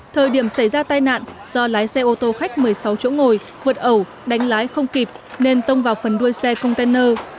thời điểm xảy ra tai nạn do lái xe ô tô khách một mươi sáu chỗ ngồi vượt ẩu đánh lái không kịp nên tông vào phần đuôi xe container